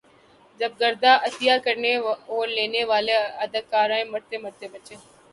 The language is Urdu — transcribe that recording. جب گردہ عطیہ کرنے اور لینے والی اداکارائیں مرتے مرتے بچیں